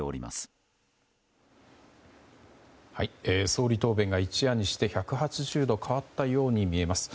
総理答弁が一夜にして１８０度変わったように見えます。